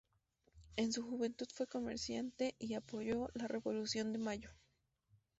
En su juventud fue comerciante, y apoyó la Revolución de Mayo.